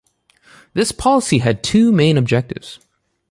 This policy had two main objectives.